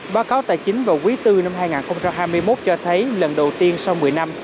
báo cáo tài chính vào quý bốn năm hai nghìn hai mươi một cho thấy lần đầu tiên sau một mươi năm